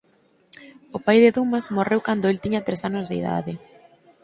O Pai de Dumas morreu cando el tiña tres anos de idade.